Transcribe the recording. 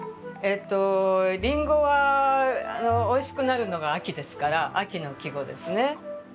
「林檎」はおいしくなるのが秋ですから秋の季語ですね。